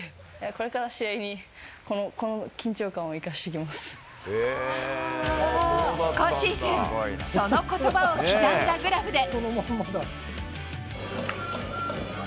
これから試合に、この緊張感を生今シーズン、そのことばを刻んだグラブで。